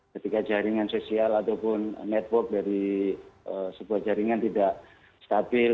ketika jaringan sosial ataupun network dari sebuah jaringan tidak stabil